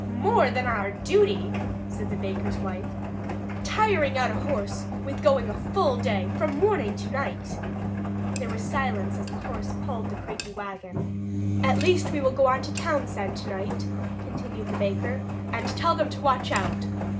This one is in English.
"More than our duty," said the baker's wife, "tiring out a horse with going a full day, from morning until night!" There was silence as the horse pulled the creaky wagon. "At least we will go on to Townsend tonight," continued the baker, "and tell them to watch out.